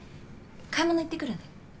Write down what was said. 買い物行ってくるね。